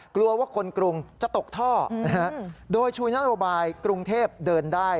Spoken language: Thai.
กลัวว่าคนกรุงจะตกท่อโดยชูนโยบายกรุงเทพเดินได้